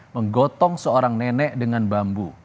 menggotong seorang nenek dengan bambu